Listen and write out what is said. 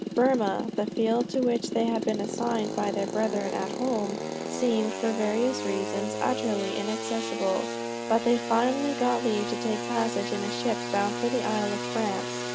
Burmah, the field to which they had been assigned by their brethren at home, seemed, for various reasons, utterly inaccessible; but they finally got leave to take passage in a ship bound for the Isle of France.